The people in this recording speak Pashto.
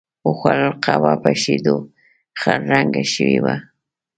و خوړل، قهوه په شیدو خړ رنګه شوې وه.